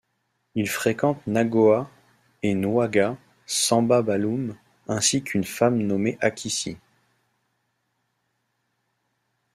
Il fréquente Nagoa et Noaga, Samba Baloum ainsi qu'une femme nommée Akissi.